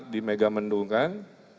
di mega mendung kan